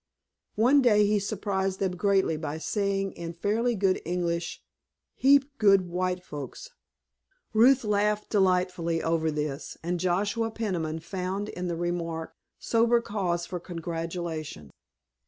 One day he surprised them greatly by saying in fairly good English: "Heap good white folks." Ruth laughed delightedly oven this, and Joshua Peniman found in the remark sober cause for congratulation.